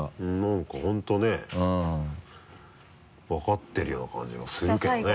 うん。分かってるような感じがするけどね。